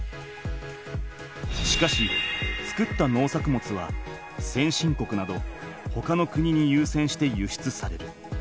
しかし作った農作物は先進国などほかの国にゆうせんして輸出される。